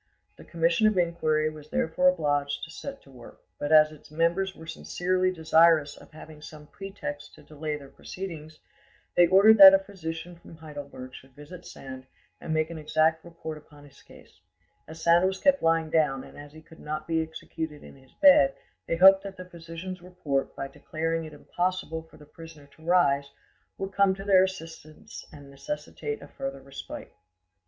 The commission of inquiry was therefore obliged to set to work; but as its members were sincerely desirous of having some pretext to delay their proceedings, they ordered that a physician from Heidelberg should visit Sand and make an exact report upon his case; as Sand was kept lying down and as he could not be executed in his bed, they hoped that the physician's report, by declaring it impossible for the prisoner to rise, would come to their assistance and necessitate a further respite.